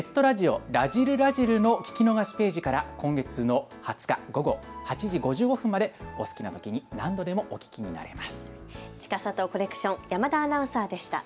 今回のラジオはネットラジオ、らじる☆らじるの聞き逃しページから今月の２０日、午後８時５５分までお好きなときに何度でもお聞きになれます。